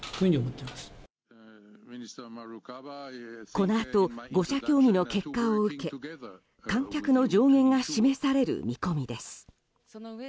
このあと５者協議の結果を受け観客の上限が示される見込みです。